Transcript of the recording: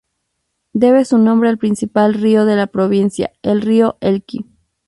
Debe su nombre al principal río de la provincia: el río Elqui.